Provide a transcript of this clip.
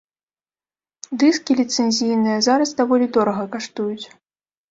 Дыскі ліцэнзійныя зараз даволі дорага каштуюць.